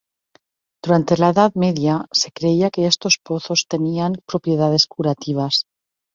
Durante la Edad Media, se creía que estos pozos tenían propiedades curativas.